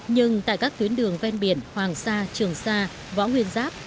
nhưng tại các tuyến đường ven biển hoàng sa trường sa võ nguyên giáp